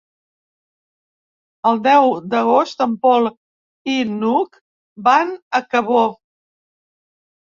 El deu d'agost en Pol i n'Hug van a Cabó.